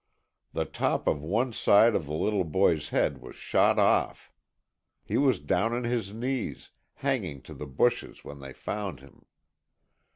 The top of one side of the little boy's head was shot off. He was down on his knees, hanging to the bushes when they found him.